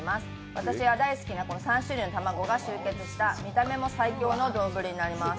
私が大好きな３種類の卵が集結した見た目も最強な丼になります。